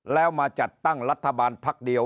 แล้วมาจัดตั้งรัฐบาลพักเดียว